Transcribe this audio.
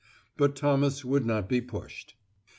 But Thomas would not be pushed.